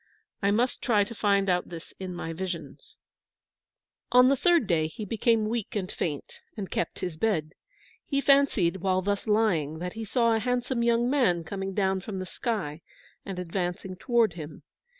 I must try to find out this in my visions." [Footnote 27: From "The Myth of Hiawatha."] On the third day he became weak and faint, and kept his bed. He fancied, while thus lying, that he saw a handsome young man coming down from the sky and advancing toward him.